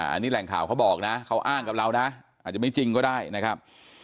อันนี้แหล่งข่าวเขาบอกนะเขาอ้างกับเรานะอาจจะไม่จริงก็ได้นะครับ